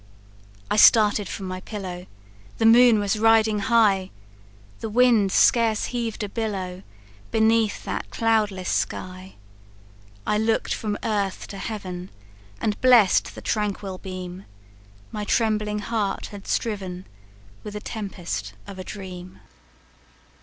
"I started from my pillow The moon was riding high, The wind scarce heav'd a billow Beneath that cloudless sky. I look'd from earth to heaven, And bless'd the tranquil beam; My trembling heart had striven With the tempest of a dream."